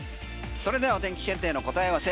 それではお天気検定の答え合わせ